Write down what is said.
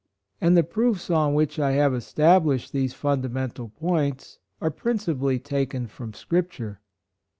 And the proofs on which I have established these fun damental points are principally taken from Scripture.